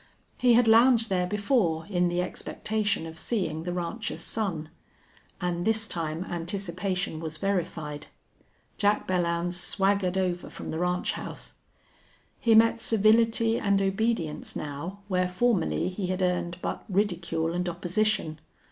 He had lounged there before in the expectation of seeing the rancher's son. And this time anticipation was verified. Jack Belllounds swaggered over from the ranch house. He met civility and obedience now where formerly he had earned but ridicule and opposition.